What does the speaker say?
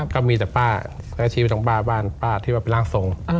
ก็มีแต่ป้าและชีวิตของป้าบ้านป้าที่ว่าเป็นร่างทรง